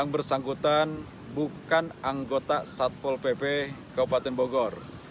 bukan anggota satpol pp kabupaten bogor